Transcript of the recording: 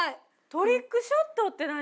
トリックショットって何？